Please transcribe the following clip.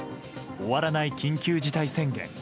終わらない緊急事態宣言。